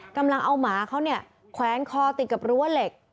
กำลังเอาหมาเขาเนี่ยแขวนคอติดกับรั้วเหล็ก